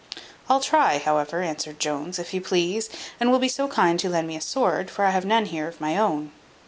"I'll try, however," answered Jones, "if you please, and will be so kind to lend me a sword, for I have none here of my own."